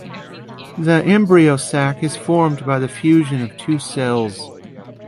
The embryo-sac is formed by the fusion of two cells.